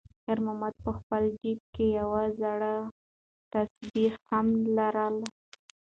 خیر محمد په خپل جېب کې یوه زړه تسبېح هم لرله.